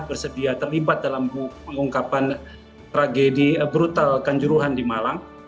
bersedia terlibat dalam pengungkapan tragedi brutal kanjuruhan di malang